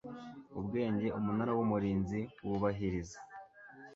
ubwenge umunara w umurinzi wubahiriza